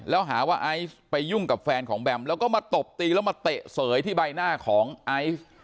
แล้วหาว่าไอซ์ไปยุ่งกับแฟนของแบมแล้วก็มาตบตีแล้วมาเตะเสยที่ใบหน้าของไอซ์